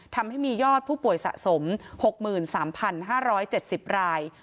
ทำให้มียอดผู้ป่วยสะสม๖๓๕๗๐ราย